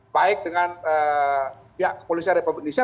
baik dengan pihak kepolisian republik indonesia